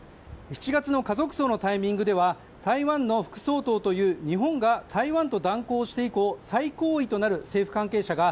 ７月の家族葬のタイミングでは、台湾の副総統という日本が台湾と断交して以降最高位となる政府関係者が